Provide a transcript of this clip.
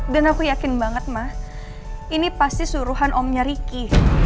dan aku yakin banget ma ini pasti suruhan omnya ricky